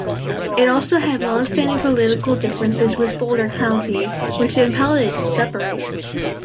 It also had longstanding political differences with Boulder County, which impelled it to separate.